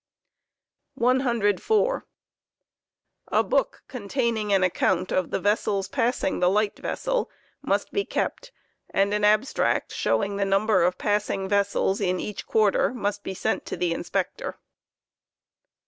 Aoooont^of 104. A book containing an account of the vessels passing the light vessel must be pacing ve«*o a. j^g^ an ^ an abstract showing the number of passing vessels in each quarter must be sent to the Inspector.